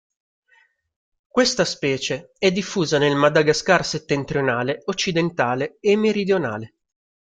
Questa specie è diffusa nel Madagascar settentrionale, occidentale e meridionale.